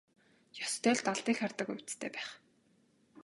Ёстой л далдыг хардаг увдистай байх.